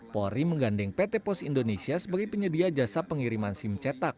polri menggandeng pt pos indonesia sebagai penyedia jasa pengiriman sim cetak